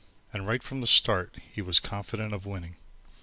And right from the start he was confident of winning.